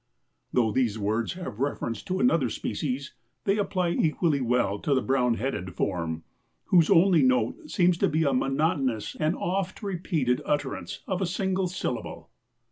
Though these words have reference to another species, they apply equally well to the Brown headed form, whose only note seems to be a monotonous and oft repeated utterance of a single syllable.